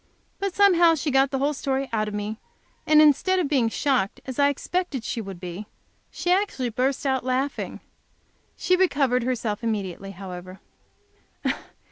But somehow she got the whole story out of me, and instead of being shocked, as I expected she would be, she actually burst out laughing! She recovered herself immediately, however.